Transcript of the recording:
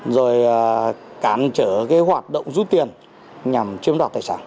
rồi cán trở cái hoạt động rút tiền nhằm chiếm đọc tài sản